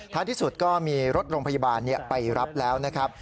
ที่สุดก็มีรถโรงพยาบาลไปรับแล้วนะครับ